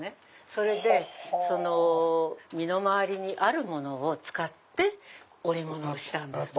それで身の回りにあるものを使って織物をしたんですね。